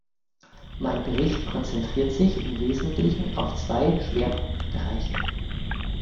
Mein Bericht konzentriert sich im wesentlichen auf zwei Schwerpunktbereiche.